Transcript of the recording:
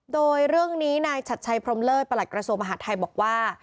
โดยเรื่องนี้นายชัดชัยพรมเลิศประหลัดกระทรวงมหาดไทยบอกว่า